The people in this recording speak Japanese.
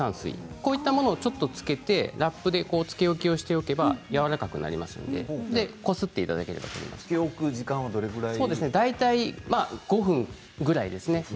こういったものをちょっとつけてラップでつけ置きをしておけばやわらかくなりますのでつけ置く時間は大体５分くらいですね。